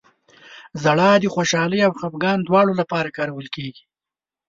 • ژړا د خوشحالۍ او خفګان دواړو لپاره کارول کېږي.